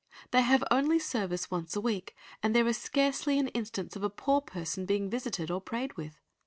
They have only service once a week, and there is scarcely an instance of a poor person being visited or prayed with.